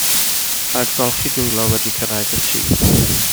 Rhaid golchi dwylo wedi cyrraedd y tŷ.